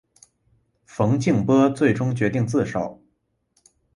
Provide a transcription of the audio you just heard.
冯静波最终决定自首。